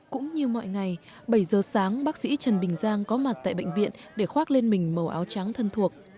cũng như mọi ngày bảy giờ sáng bác sĩ trần bình giang có mặt tại bệnh viện để khoác lên mình màu áo trắng thân thuộc